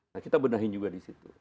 nah kita benahin juga di situ